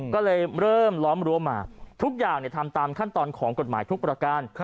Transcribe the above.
ก็เลยเริ่มล้อมรั้วมาทุกอย่างทำตามขั้นตอนของกฎหมายทุกประการ